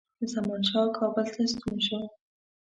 زمانشاه کابل ته ستون شو.